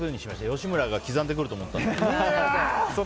吉村が刻んでくると思ったので。